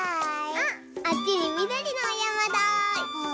あっあっちにみどりのおやまだ。